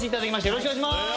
よろしくお願いします